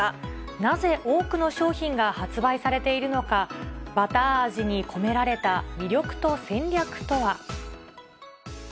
なぜ多くの商品が発売されているのか、バター味に込められた魅力と戦略とは。